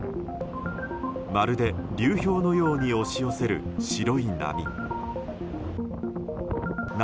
まるで流氷のように押し寄せる白い波。